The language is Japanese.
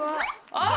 あっ！